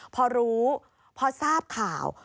พอรู้พอทราบข่าว